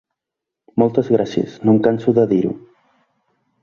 Moltes gràcies, no em canso de dir-ho.